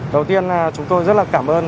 đầu tiên chúng tôi rất là cảm ơn